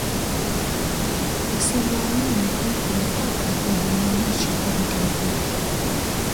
Usimuamini mtu mpaka ajiaminishe kwa vitendo vyake